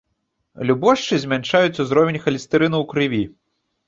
Любошчы змяншаюць узровень халестэрыну ў крыві.